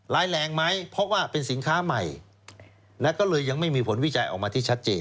ร้ายแรงไหมเพราะว่าเป็นสินค้าใหม่นะก็เลยยังไม่มีผลวิจัยออกมาที่ชัดเจน